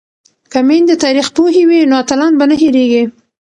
که میندې تاریخ پوهې وي نو اتلان به نه هیریږي.